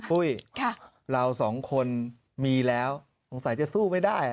ปุ้ยเราสองคนมีแล้วสงสัยจะสู้ไม่ได้